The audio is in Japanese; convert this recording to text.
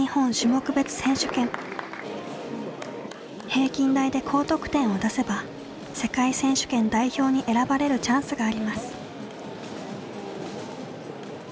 平均台で高得点を出せば世界選手権代表に選ばれるチャンスがあります。